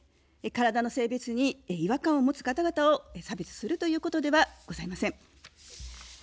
体の性別に違和感を持つ方々を差別するということではございません。